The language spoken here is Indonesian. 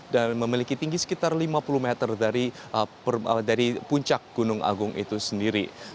dan memiliki tinggi sekitar lima puluh meter dari puncak gunung agung itu sendiri